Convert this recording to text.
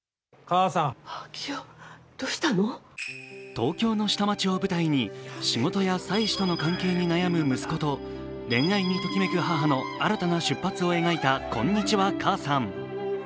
東京の下町を舞台に、仕事や妻子との関係に悩む息子と、恋愛にときめく花の新たな出発を描いた「こんにちは、母さん」。